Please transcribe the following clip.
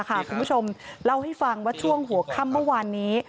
คุณผู้ชมเล่าให้ฟังว่าช่วงหัวค่ำเมื่อวานนี้